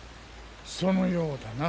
そのようだな。